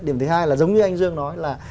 điểm thứ hai là giống như anh dương nói